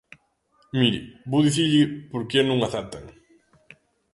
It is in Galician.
Mire, vou dicirlle por que non aceptan.